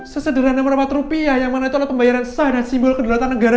sesederhana merapat rupiah yang mana itu adalah pembayaran sah dan simbol kedalatan negara